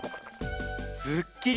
すっきり！